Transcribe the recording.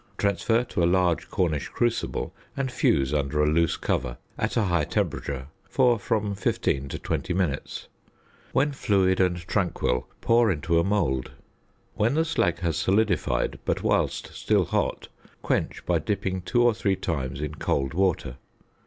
Transfer to a large Cornish crucible and fuse under a loose cover at a high temperature for from 15 to 20 minutes. When fluid and tranquil pour into a mould. When the slag has solidified, but whilst still hot, quench by dipping two or three times in cold water.